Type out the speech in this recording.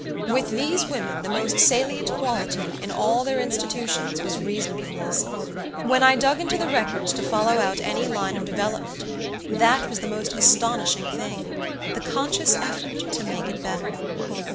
With these women the most salient quality in all their institutions was reasonableness. When I dug into the records to follow out any line of development, that was the most astonishing thing the conscious effort to make it better.